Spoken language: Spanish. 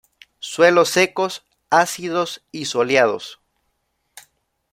Suelos secos, ácidos y soleados.